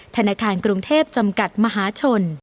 ธนาคารกรุงเทพจำกัดมหาชน